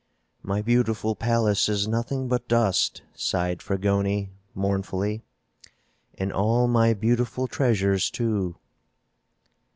"My beautiful palace is nothing but dust," sighed Fragoni, mournfully. "And all my beautiful treasures, too."